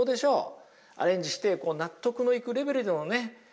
アレンジして納得のいくレベルでのね